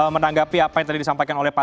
menanggapi apa yang tadi disampaikan oleh pak